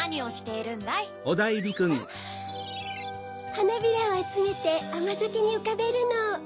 はなびらをあつめてあまざけにうかべるの。